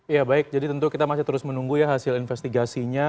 ya baik jadi tentu kita masih terus menunggu ya hasil investigasinya